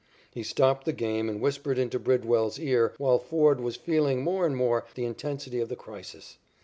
He stopped the game and whispered into Bridwell's ear while Ford was feeling more and more the intensity of the crisis.